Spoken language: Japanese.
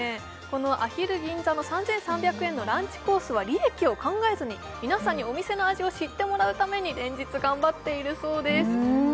このアヒル銀座の３３００円のランチコースは利益を考えずに皆さんにお店の味を知ってもらうために連日頑張っているそうです